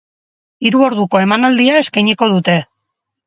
Hiru orduko emanaldia eskainiko dute.